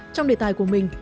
trong đề tài của mình